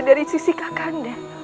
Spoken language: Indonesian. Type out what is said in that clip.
dari sisi kakanda